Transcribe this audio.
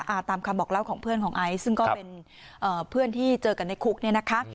ตามคำบอกเล่าของเพื่อนของไอซ์ซึ่งก็เป็นเอ่อเพื่อนที่เจอกันในคุกเนี่ยนะคะ